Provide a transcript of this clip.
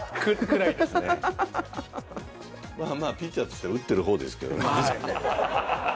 ピッチャーとしては打ってる方ですけどね。